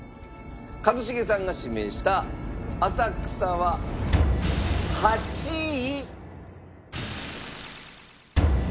一茂さんが指名した浅草は８位。